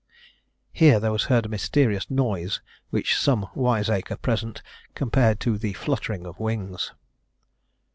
[Here there was heard a mysterious noise, which some wiseacre present compared to the fluttering of wings.